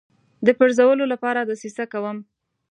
د پرزولو لپاره دسیسه کوم.